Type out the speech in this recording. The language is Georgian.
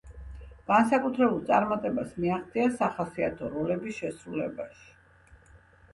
განსაკუთრებულ წარმატებას მიაღწია სახასიათო როლების შესრულებაში.